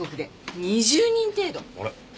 あれ？